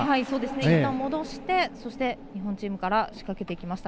いったん戻して日本チームから仕掛けていきました。